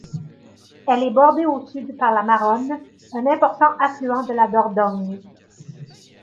Elle est bordée au sud par la Maronne, un important affluent de la Dordogne.